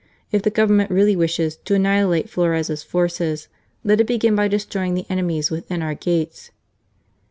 If the Government really wishes to annihilate Flores' forces, let it begin by destroying the enemies within our gates."